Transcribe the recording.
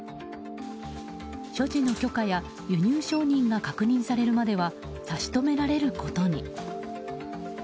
所持の許可や輸入承認が確認されるまでは差し止められることに。